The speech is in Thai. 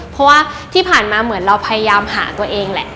เพราะว่าที่ผ่านมาเหมือนเราพยายามหาตัวเองแหละ